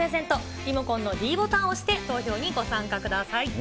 リモコンのｄボタンを押して投票にご参加ください。